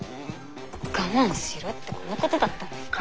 我慢しろってこのことだったんですか。